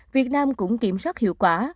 việt nam cũng kiểm soát hiệu quả